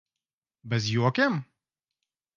Bez jokiem?